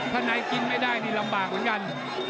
ถ้าในกินไม่ได้นี่ลำบากเหมือนกัน